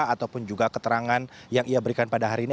ataupun juga keterangan yang ia berikan pada hari ini